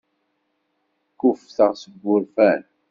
Kkuffteɣ seg wurfan.